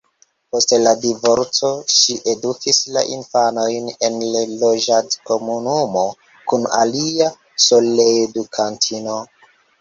Post la divorco ŝi edukis la infanojn en loĝadkomunumo kun alia soleedukantino.